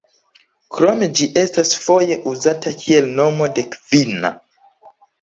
Krome ĝi estas foje uzata kiel nomo de kvina.